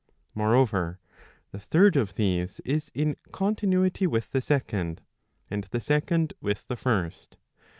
Moreover, the third of these is in continuity with the second, and the second with the first.